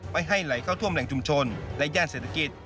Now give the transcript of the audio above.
ไม่ให้ไหลเข้าท่วมแหล่งชุมชนและย่านเศรษฐกิจ